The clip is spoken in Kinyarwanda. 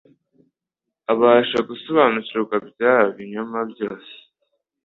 abasha gusobanukirwa bya binyoma byose